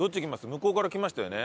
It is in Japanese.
向こうから来ましたよね。